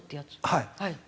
はい？